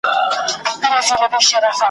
د اجل د ساقي ږغ ژوندون ته دام وو ,